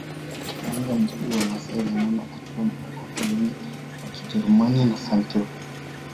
Mganga mkuu wa maasai Lenana akiwa na wakoloni wa kijerumani na Santeu